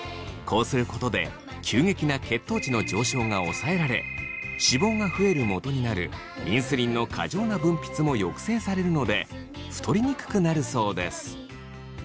こうすることで急激な血糖値の上昇が抑えられ脂肪が増えるもとになるインスリンの過剰な分泌も抑制されるので太りにくくなるそうです。